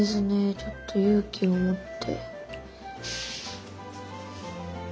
ちょっと勇気を持って。